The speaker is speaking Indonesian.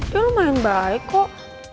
ya lu main baik kok